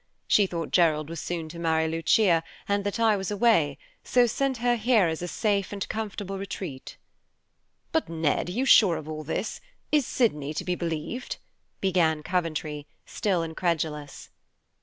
She thought Gerald was soon to marry Lucia, and that I was away, so sent her here as a safe and comfortable retreat." "But, Ned, are you sure of all this? Is Sydney to be believed?" began Coventry, still incredulous.